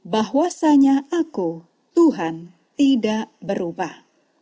bahwasanya aku tuhan tidak berubah